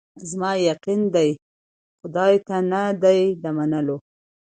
زما یقین دی خدای ته نه دی د منلو